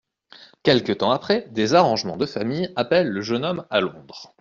Quelque temps après, des arrangements de famille appellent le jeune homme à Londres.